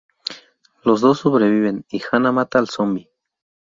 Los dos sobreviven, y Hanna mata al zombi.